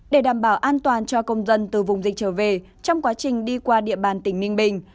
để đảm bảo an toàn cho công dân từ vùng dịch trở về trong quá trình đi qua địa bàn tỉnh ninh bình